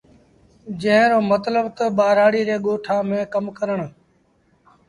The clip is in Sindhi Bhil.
جݩهݩ رو متلب تا ٻآرآڙي ري ڳوٺآݩ ميݩ ڪم ڪرڻ۔